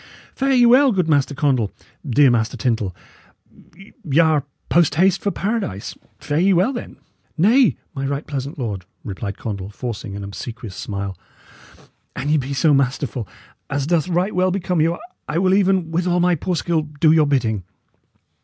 Fare ye well, good Master Condall, dear Master Tyndal; y' are post haste for Paradise; fare ye then well!" "Nay, my right pleasant lord," replied Condall, forcing an obsequious smile, "an ye be so masterful, as doth right well become you, I will even, with all my poor skill, do your good bidding."